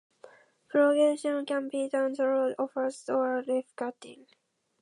Propagation can be done through offsets or leaf cuttings.